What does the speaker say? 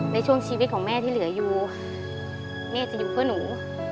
ในช่วงชีวิตของแม่ที่เหลืออยู่แม่จะอยู่เพื่อหนู